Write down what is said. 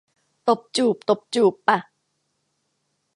ตบจูบ ตบจูบ ปะ